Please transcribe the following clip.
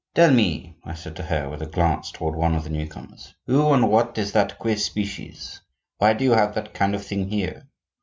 "Tell me," I said to her, with a glance toward one of the new comers, "who and what is that queer species? Why do you have that kind of thing here?"